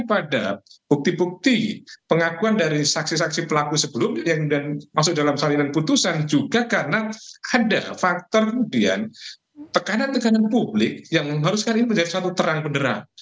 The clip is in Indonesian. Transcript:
pada bukti bukti pengakuan dari saksi saksi pelaku sebelum yang masuk dalam salinan putusan juga karena ada faktor kemudian tekanan tekanan publik yang mengharuskan ini menjadi suatu terang benderang